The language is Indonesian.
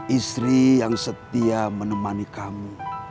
istri yang setia menemani kamu